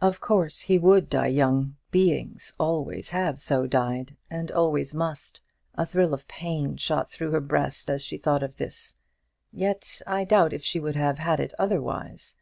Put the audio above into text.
Of course he would die young; Beings always have so died, and always must. A thrill of pain shot through her breast as she thought of this; yet I doubt if she would have had it otherwise.